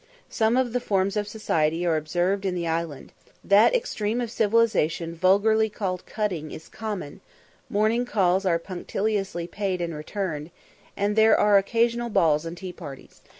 Some of the forms of society are observed in the island that extreme of civilisation vulgarly called "cutting" is common; morning calls are punctiliously paid and returned, and there are occasional balls and tea parties.